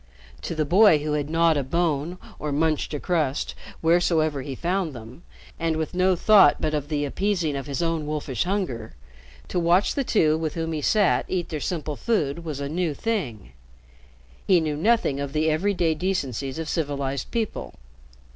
To the boy who had gnawed a bone or munched a crust wheresoever he found them, and with no thought but of the appeasing of his own wolfish hunger, to watch the two with whom he sat eat their simple food was a new thing. He knew nothing of the every day decencies of civilized people.